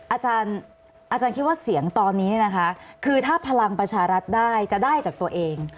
อาจารย์คิดว่าเสียงตอนนี้คือถ้าพลังประชารัฐได้จะได้จากตัวเอง